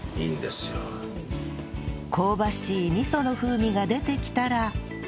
香ばしい味噌の風味が出てきたら